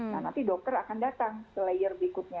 nah nanti dokter akan datang ke layer berikutnya